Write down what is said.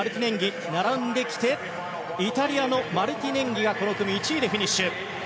イタリアのマルティネンギがこの組１位でフィニッシュ。